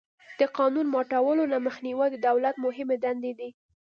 د قانون ماتولو نه مخنیوی د دولت مهمې دندې دي.